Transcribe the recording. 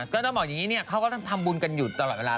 ก็ต้องบอกอย่างนี้เขาก็ต้องทำบุญกันอยู่ตลอดเวลา